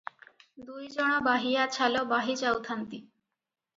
ଦୁଇ ଜଣ ବାହିଆ ଛାଲ ବାହି ଯାଉଥାନ୍ତି ।